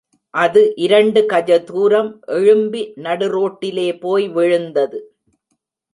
அது இரண்டு, கஜதூரம் எழும்பி நடுரோட்டிலே போய் விழுந்தது.